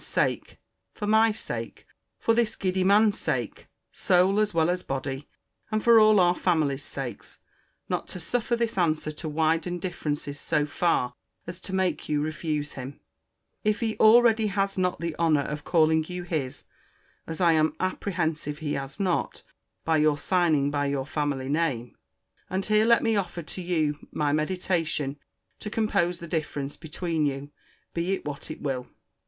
's sake; for my sake; for this giddy man's sake, soul as well as body; and for all our family's sakes; not to suffer this answer to widen differences so far as to make you refuse him, if he already has not the honour of calling you his; as I am apprehensive he has not, by your signing by your family name. And here let me offer to you my mediation to compose the difference between you, be it what it will.